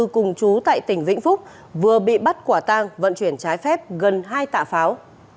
cùng chú tại tỉnh vĩnh phúc vừa bị bắt quả tang vận chuyển trái phép gần hai tạ pháo